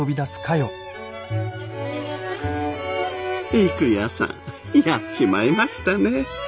郁弥さんやっちまいましたね。